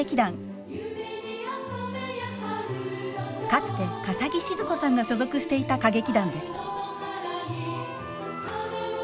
かつて笠置シヅ子さんが所属していた歌劇団です。